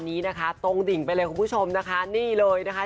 นี้นะคะตรงดิ่งไปเลยคุณผู้ชมนะคะนี่เลยนะคะ